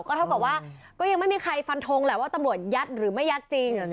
ก็เท่ากับว่าก็ยังไม่มีใครฟันทงแหละว่าตำรวจยัดหรือไม่ยัดจริง